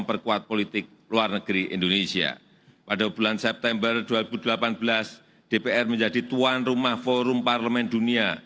pertama dpr telah menjelaskan kekuasaan negara negara yang telah menjaga kekuasaan negara negara